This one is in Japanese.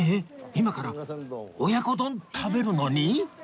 今から親子丼食べるのに？